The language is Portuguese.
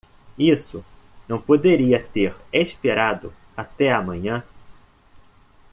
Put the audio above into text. Isso não poderia ter esperado até a manhã?